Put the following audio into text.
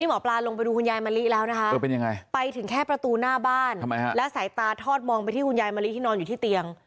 หมอปลาลงไปดูคุณยายมะลิแล้วนะคะไปถึงแค่ประตูหน้าบ้านและสายตาทอดมองไปที่คุณยายมะลิที่นอนอยู่ที่เตียง